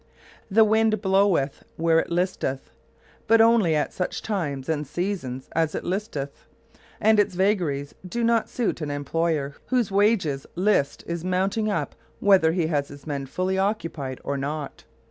The wind bloweth "where it listeth," but only at such times and seasons as it listeth, and its vagaries do not suit an employer whose wages list is mounting up whether he has his men fully occupied or not.